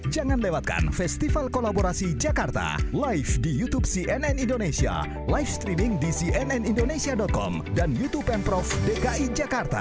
jangan lewatkan festival kolaborasi jakarta live di youtube cnn indonesia live streaming di cnnindonesia com dan youtube pemprov dki jakarta